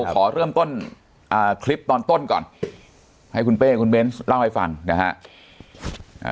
ขอเริ่มต้นคลิปตอนต้นก่อนให้คุณเป้คุณเบนส์เล่าให้ฟังนะฮะ